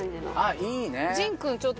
いいね。